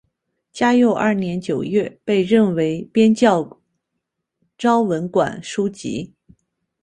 嘉佑二年九月被任为编校昭文馆书籍。